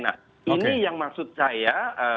nah ini yang maksud saya